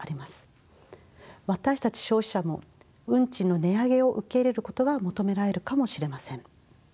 私たち消費者も運賃の値上げを受け入れることが求められるかもしれません。